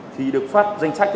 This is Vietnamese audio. thì được phát danh sách